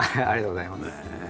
ありがとうございます。